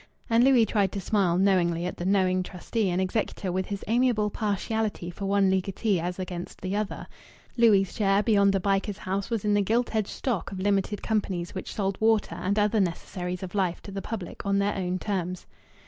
And Louis tried to smile knowingly at the knowing trustee and executor with his amiable partiality for one legatee as against the other. Louis' share, beyond the Bycars house, was in the gilt edged stock of limited companies which sold water and other necessaries of life to the public on their own terms.